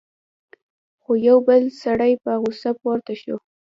خو یو بل سړی په غصه پورته شو: